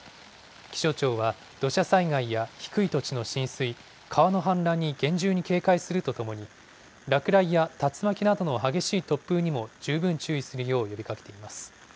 気象庁は、土砂災害や低い土地の浸水、川の氾濫に厳重に警戒するとともに、落雷や竜巻などの激しい突風にも十分注意するよう呼びかけています。